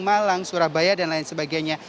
malang surabaya dan lain sebagainya